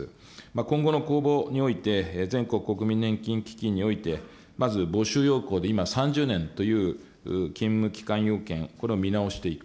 今後の公募において、全国国民年金基金において、まず募集要項で今、３０年という勤務期間要件、これを見直していく。